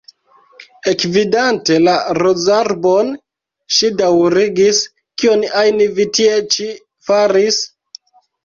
Ekvidante la rozarbon, ŝi daŭrigis: "Kion ajn vi tie ĉi faris?"